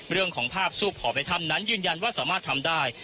เรื่องของภาพซูบผ่อในถ้ำนั้นยืนยันว่าสามารถทำได้